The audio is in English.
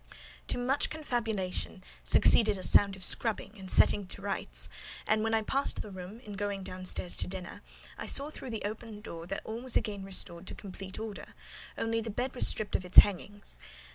To much confabulation succeeded a sound of scrubbing and setting to rights; and when I passed the room, in going downstairs to dinner, I saw through the open door that all was again restored to complete order; only the bed was stripped of its hangings.